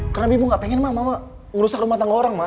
karena bimu gak pengen mama merusak rumah tangga orang mas